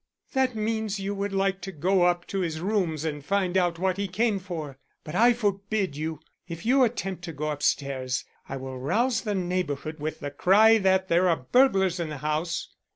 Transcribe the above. "That means you would like to go up to his rooms and find out what he came for. But I forbid you. If you attempt to go upstairs, I will rouse the neighbourhood with the cry that there are burglars in the house."